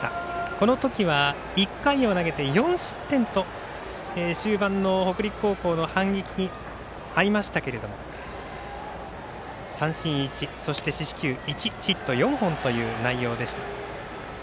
この時は１回を投げて４失点と、終盤の北陸高校の反撃に遭いましたけれども三振１、四死球１ヒット４本という内容でした。